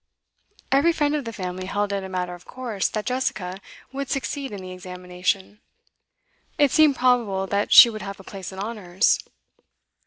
Every friend of the family held it a matter of course that Jessica would succeed in the examination. It seemed probable that she would have a place in Honours.